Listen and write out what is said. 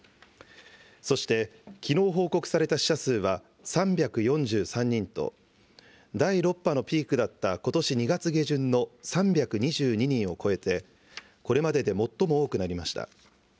そしてきのう報告された死者数は３４３人と、第６波のピークだったことし２月下旬の３２２人を超えて、これまでで最も多くなりました。